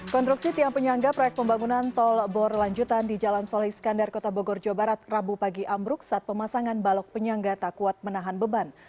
konstruksi tiang penyangga proyek pembangunan tol bor lanjutan di jalan soleh iskandar kota bogor jawa barat rabu pagi ambruk saat pemasangan balok penyangga tak kuat menahan beban